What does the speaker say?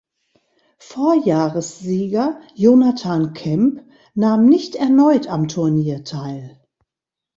Vorjahressieger Jonathan Kemp nahm nicht erneut am Turnier teil.